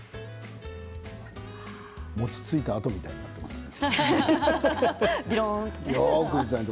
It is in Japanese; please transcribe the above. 餅をついたあとみたいになっていますね。